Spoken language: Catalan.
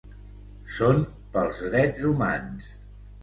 Són pels drets humans.